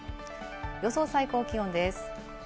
予想最高気温です。